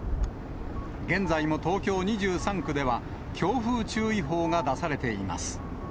現在も東京２３区では、強風注意報が出されています。